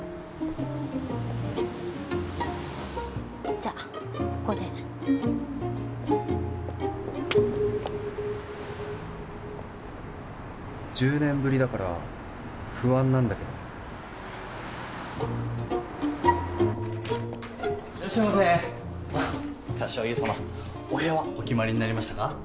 じゃあここで１０年ぶりだから不安なんだけどいらっしゃいませあっ柏木さまお部屋はお決まりになりましたか？